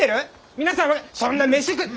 皆さんそんな飯食って！